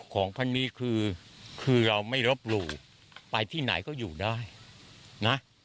ของพันนี้คือเราไม่รบหลู่ไปที่ไหนก็อยู่ได้นะ